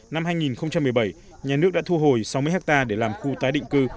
năm hai nghìn một mươi bảy nhà nước đã thu hồi sáu mươi hectare để làm khu tái định cư